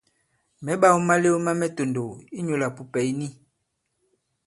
Mɛ̌ ɓāw malew ma mɛ tòndow inyūlā pùpɛ̀ ì ni.